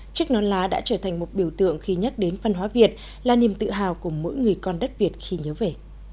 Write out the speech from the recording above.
chiếc non lá đã trở thành một biểu tượng khi nhắc đến văn hóa việt là niềm tự hào của mỗi người con đất việt khi nhớ về